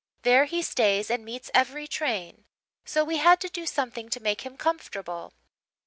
There he stays and meets every train. So we had to do something to make him comfortable.